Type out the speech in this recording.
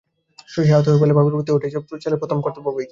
শশী আহত হইয়া বলে, বাপের প্রতি ওটাই ছেলের প্রথম কর্তব্য বৈকি।